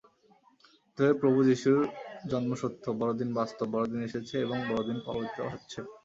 অতএব, প্রভু যিশুর জন্ম সত্য, বড়দিন বাস্তব, বড়দিন এসেছে এবং বড়দিন পালিত হচ্ছে।